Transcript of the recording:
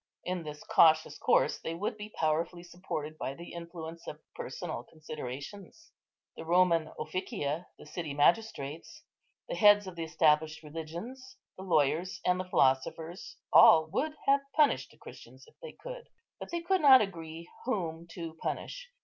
In this cautious course they would be powerfully supported by the influence of personal considerations. The Roman officia, the city magistrates, the heads of the established religions, the lawyers, and the philosophers, all would have punished the Christians, if they could; but they could not agree whom to punish.